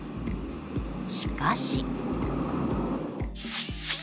しかし。